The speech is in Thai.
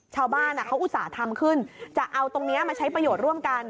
ชาวบ้านเขาอุตส่าห์ทำขึ้นจะเอาตรงนี้มาใช้ประโยชน์ร่วมกัน